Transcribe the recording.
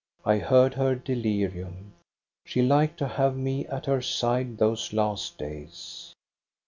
I heard her delirium. She liked to have me at her side those last days.